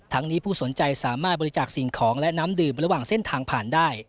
นี้ผู้สนใจสามารถบริจาคสิ่งของและน้ำดื่มระหว่างเส้นทางผ่านได้